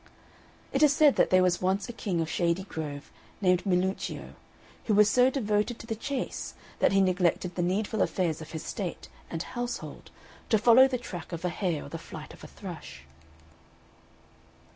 It is said that there was once a king of Shady Grove named Milluccio, who was so devoted to the chase, that he neglected the needful affairs of his state and household to follow the track of a hare or the flight of a thrush.